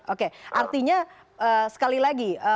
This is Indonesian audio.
oke artinya sekali lagi